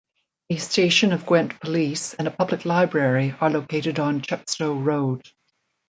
A station of Gwent Police and a public library are located on Chepstow Road.